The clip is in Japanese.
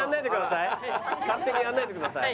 勝手にやらないでください。